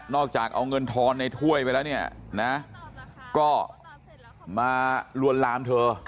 อกจากเอาเงินทอนในถ้วยไปแล้วเนี่ยนะก็มาลวนลามเธอ